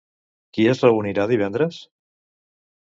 Qui es reunirà divendres?